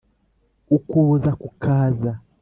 ukuboza kukaza